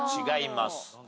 違います。